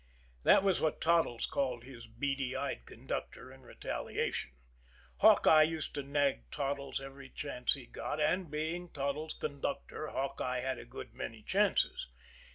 That was what Toddles called his beady eyed conductor in retaliation. Hawkeye used to nag Toddles every chance he got, and, being Toddles' conductor, Hawkeye got a good many chances.